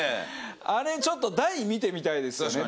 あれちょっと大見てみたいですよね